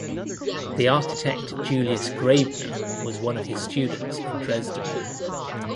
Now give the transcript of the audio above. The architect Julius Graebner was one of his students in Dresden.